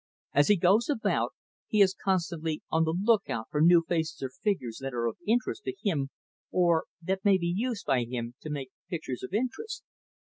As he goes about, he is constantly on the look out for new faces or figures that are of interest to him or, that may be used by him to make pictures of interest.